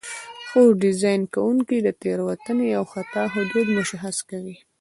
خو ډیزاین کوونکي د تېروتنې او خطا حدود مشخص کوي.